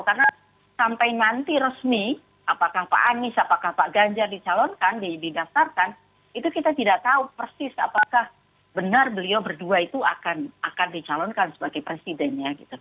karena sampai nanti resmi apakah pak anies apakah pak ganjar dicalonkan didaftarkan itu kita tidak tahu persis apakah benar beliau berdua itu akan dicalonkan sebagai presidennya